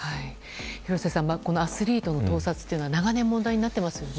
廣瀬さん、アスリートの盗撮は長年、問題になっていますよね。